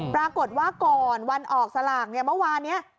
ปรากฏว่าก่อนวันออกสลากเนี่ยเมื่อวานนี้